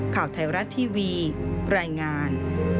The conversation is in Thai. ข่าวไทยรัฐทีวีรายงาน